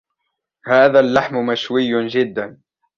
هذا اللحم مشوي جيدا.